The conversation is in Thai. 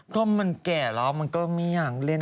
ข้อมันแก่ละข้อมันก็ไม่อยากเล่นมาก